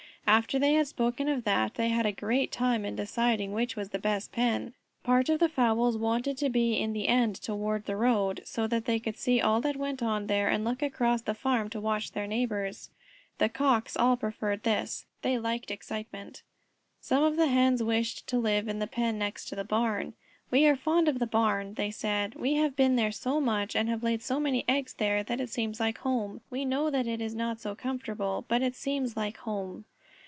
After they had spoken of that, they had a great time in deciding which was the best pen. Part of the fowls wanted to be in the end toward the road, so that they could see all that went on there and look across to the other farm to watch their neighbors. The Cocks all preferred this. They liked excitement. Some of the Hens wished to live in the pen next to the barn. "We are fond of the barn," they said. "We have been there so much, and have laid so many eggs there that it seems like home. We know that it is not so comfortable, but it seems like home."